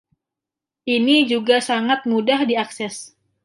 Ini juga sangat mudah diakses.